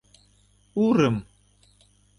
Урым?